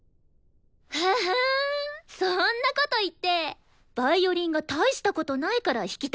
ははんそんなこと言ってヴァイオリンが大したことないから弾きたくないだけでしょ？